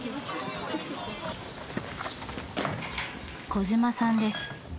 小嶋さんです。